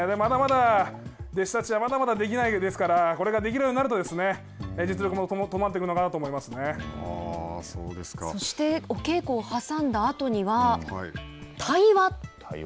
まだまだ、弟子たちはまだまだできないですがこれができるようになると実力も伴ってくるのかなとそして、お稽古を挟んだあとには対話。